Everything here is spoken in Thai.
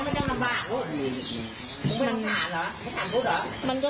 มึงอยากให้ผู้ห่างติดคุกหรอ